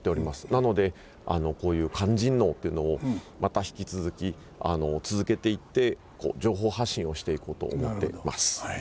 なのでこういう勧進能っていうのをまた引き続き続けていって情報発信をしていこうと思っています。